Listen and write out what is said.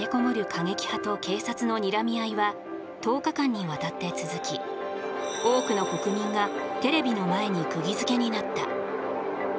過激派と警察のにらみ合いは１０日間にわたって続き多くの国民がテレビの前にくぎづけになった。